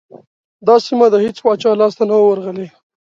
دا سیمه د هیڅ پاچا لاسته نه وه ورغلې.